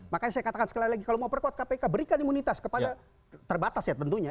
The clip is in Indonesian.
makanya saya katakan sekali lagi kalau mau perkuat kpk berikan imunitas kepada terbatas ya tentunya